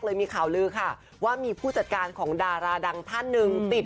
มีข่าวลือค่ะว่ามีผู้จัดการของดาราดังท่านหนึ่งติด